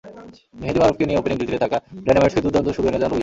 মেহেদী মারুফকে নিয়ে ওপেনিং জুটিতে ঢাকা ডায়নামাইটসকে দুর্দান্ত শুরু এনে দেন লুইস।